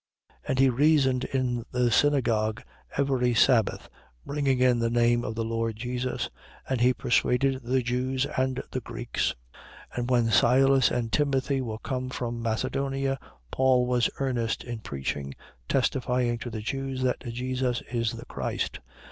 18:4. And he reasoned in the synagogue every sabbath, bringing in the name of the Lord Jesus. And he persuaded the Jews and the Greeks. 18:5. And when Silas and Timothy were come from Macedonia, Paul was earnest in preaching, testifying to the Jews that Jesus is the Christ.